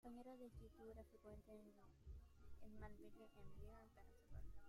Su compañero de escritura frecuente en "Smallville" es Brian Peterson.